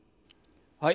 はい。